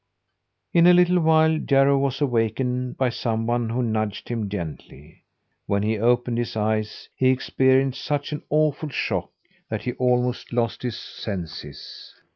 In a little while Jarro was awakened by someone who nudged him gently. When he opened his eyes he experienced such an awful shock that he almost lost his senses.